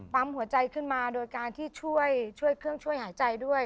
หัวใจขึ้นมาโดยการที่ช่วยเครื่องช่วยหายใจด้วย